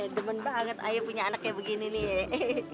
demen banget ayah punya anak kayak begini nih